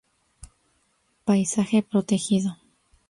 Paisaje Protegido.